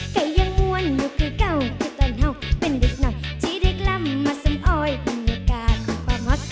ก็ยังมวลอยู่คือเก่าคือตอนเฮาเป็นเด็กหน่อยที่ได้กล้ามมาสำออยบรรยากาศของประมัก